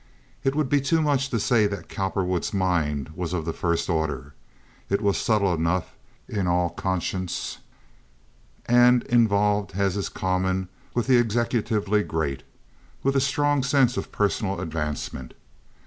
It would be too much to say that Cowperwood's mind was of the first order. It was subtle enough in all conscience—and involved, as is common with the executively great, with a strong sense of personal advancement.